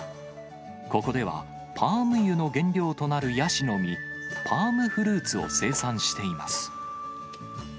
ここでは、パーム油の原料となるヤシの実、パームフルーツを生産しています。